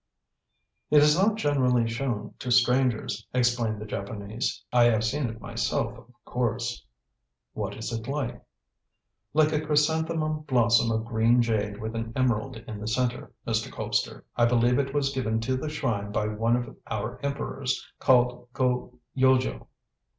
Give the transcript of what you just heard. "It is not generally shown to strangers," explained the Japanese. "I have seen it myself, of course." "What is it like?" "Like a chrysanthemum blossom of green jade with an emerald in the centre, Mr. Colpster. I believe it was given to the shrine by one of our Emperors, called Go Yojo."